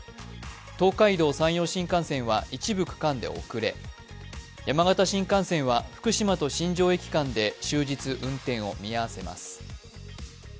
東海道・山陽新幹線は一部区間で遅れ、山形新幹線は福島と新庄駅間で終日運転を見合わせます。